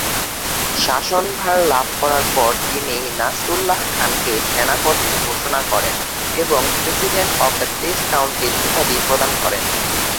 শাসনভার লাভ করার পর তিনি নাসরুল্লাহ খানকে সেনাপ্রধান ঘোষণা করেন এবং president of the state council উপাধি প্রদান করেন।